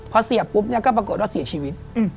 พอเสียบปุ๊บเนี่ยก็ปรากฏว่าเสียชีวิต